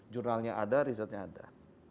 jurnalnya ada result nya ada